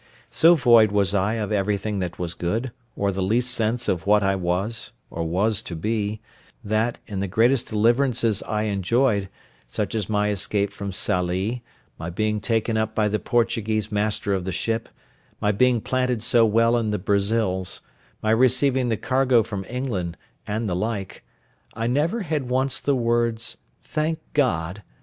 So void was I of everything that was good, or the least sense of what I was, or was to be, that, in the greatest deliverances I enjoyed—such as my escape from Sallee; my being taken up by the Portuguese master of the ship; my being planted so well in the Brazils; my receiving the cargo from England, and the like—I never had once the words "Thank God!"